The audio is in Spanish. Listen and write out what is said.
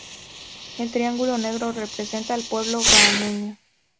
El triángulo negro representa al pueblo bahameño.